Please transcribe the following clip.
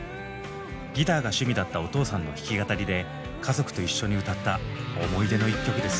ギターが趣味だったお父さんの弾き語りで家族と一緒に歌った思い出の一曲です。